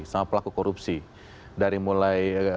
sama pelaku korupsi dari mulai